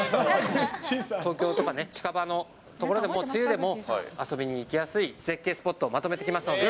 東京とかね、近場の所で、梅雨でも、遊びに行きやすい絶景スポットまとめてきましたので。